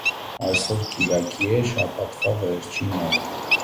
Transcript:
Directly beneath it, fat is placed on the surface of a red-hot rock.